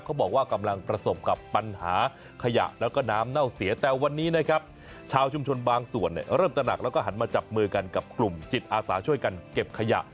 กำลังประสบกับปัญหาขยะแล้วก็น้ำเน่าเสียแต่วันนี้นะครับชาวชุมชนบางส่วนเนี่ยเริ่มตระหนักแล้วก็หันมาจับมือกันกับกลุ่มจิตอาสาช่วยกันเก็บขยะ